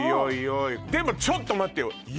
おいでもちょっと待ってよ